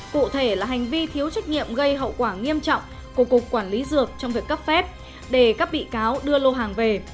cụ thể là hành vi thiếu trách nhiệm gây hậu quả nghiêm trọng của cục quản lý dược trong việc cấp phép để các bị cáo đưa lô hàng về